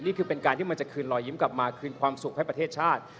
นี่คือเป็นการที่มันจะคืนรอยยิ้มกลับมาคืนความสุขให้ประเทศชาติ